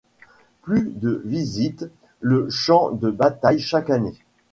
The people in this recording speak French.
Plus de visitent le champ de bataille chaque année.